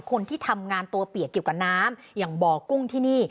คนที่ทำงานตัวเปียกเกี่ยวกับน้ำอย่างบ่อกุ้งที่นี่